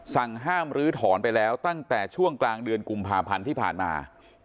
สั่งห้ามลื้อถอนไปแล้วตั้งแต่ช่วงกลางเดือนกุมภาพันธ์ที่ผ่านมา